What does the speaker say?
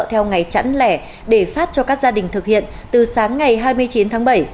theo ngày chẵn lẻ để phát cho các gia đình thực hiện từ sáng ngày hai mươi chín tháng bảy